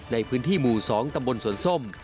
ในพื้นที่หมู่๒ตำบลสวนส้ม